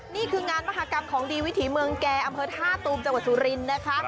นี่คืองานมหากรรมของดีวิถีเมืองแก่อำเภอท่าตูมจังหวัดสุรินทร์นะคะ